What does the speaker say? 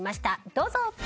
どうぞ。